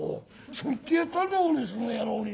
そう言ってやったんだ俺その野郎に。